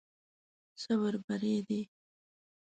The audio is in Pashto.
صبر بری دی.